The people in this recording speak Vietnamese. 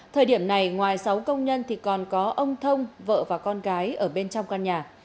thời điểm này ngoài sáu công nhân thì còn có ông thông vợ và con gái ở bên trong căn nhà